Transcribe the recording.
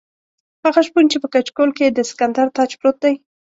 هغه شپون چې په کچکول کې یې د سکندر تاج پروت دی.